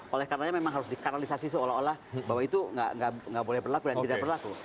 oleh karena memang harus dikanalisasi seolah olah bahwa itu nggak boleh berlaku dan tidak berlaku